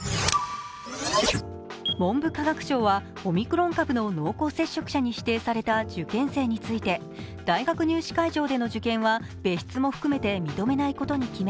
文部科学省はオミクロン株の濃厚接触者に指定された受験生について大学入試会場での受験は別室も含めて認めないことに決め